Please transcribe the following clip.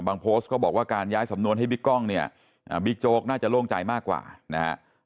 โพสต์ก็บอกว่าการย้ายสำนวนให้บิ๊กกล้องเนี่ยบิ๊กโจ๊กน่าจะโล่งใจมากกว่านะฮะ